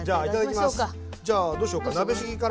じゃあどうしようか。